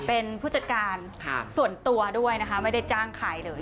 เป็นผู้จัดการส่วนตัวด้วยนะคะไม่ได้จ้างใครเลย